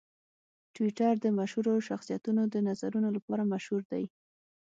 ټویټر د مشهورو شخصیتونو د نظرونو لپاره مشهور دی.